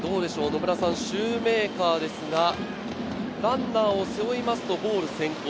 野村さん、シューメーカーですがランナーを背負いますと、ボール先行。